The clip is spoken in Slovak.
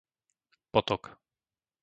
Potok